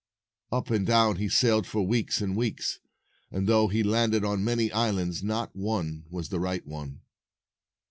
Up and down he sailed for weeks and weeks, and though he landed on many islands, not one was the right one.